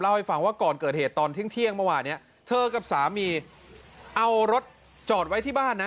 ให้ฟังว่าก่อนเกิดเหตุตอนเที่ยงเมื่อวานเนี่ยเธอกับสามีเอารถจอดไว้ที่บ้านนะ